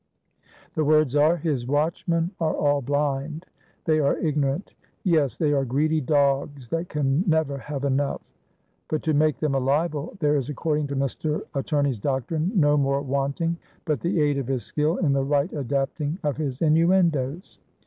The words are, "His watchmen are all blind, they are ignorant; yes, they are greedy dogs, that can never have enough." But to make them a libel, there is according to Mr. Attorney's doctrine, no more wanting but the aid of his skill in the right adapting of his innuendoes.